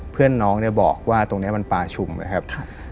เพื่อนน้องเนี่ยบอกว่าตรงนี้มันปลาชุมนะครับ